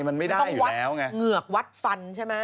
มันไม่ได้อยู่แล้วนะ